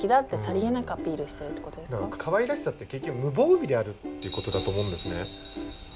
かわいらしさって結局無防備であるっていう事だと思うんですね。